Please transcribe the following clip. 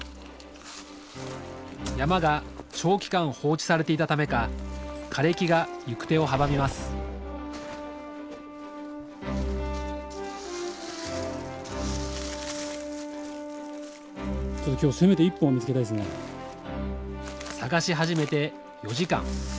山が長期間放置されていたためか枯れ木が行く手を阻みます探し始めて４時間。